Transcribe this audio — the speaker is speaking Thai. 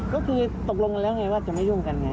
ก็คือตกลงกันแล้วไงว่าจะไม่ยุ่งกันไง